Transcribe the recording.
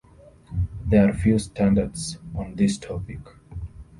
There are few standards on this topic.